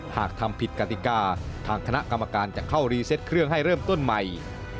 หากทำผิดกติกาทางคณะกรรมการจะเข้ารีเซตเครื่องให้เริ่มต้นใหม่